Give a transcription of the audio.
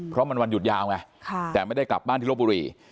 เพราะมันวันหยุดยาวไงแต่ไม่ได้กลับบ้านที่ลบบุรี